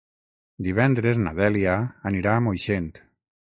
Divendres na Dèlia anirà a Moixent.